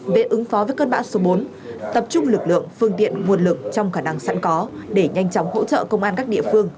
về ứng phó với cơn bão số bốn tập trung lực lượng phương tiện nguồn lực trong khả năng sẵn có để nhanh chóng hỗ trợ công an các địa phương